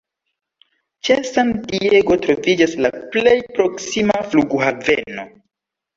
Ĉe San Diego troviĝas la plej proksima flughaveno.